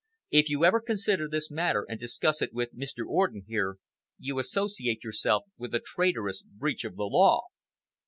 If you ever consider this matter and discuss it with Mr. Orden here, you associate yourself with a traitorous breach of the law."